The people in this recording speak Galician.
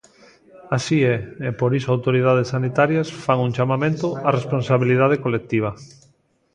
Así é, e por iso autoridades sanitarias fan un chamamento á responsabilidade colectiva.